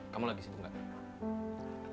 kamu lagi sedih enggak